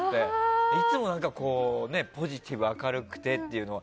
いつもポジティブ明るくてっていうのが。